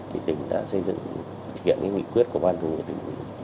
thì tỉnh đã xây dựng kiện nghị quyết của ban thông nghệ tỉnh